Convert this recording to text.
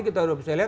kita udah bisa lihat